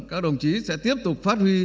các đồng chí sẽ tiếp tục phát huy